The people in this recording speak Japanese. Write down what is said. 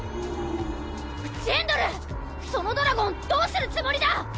ジェンドルそのドラゴンどうするつもりだ！？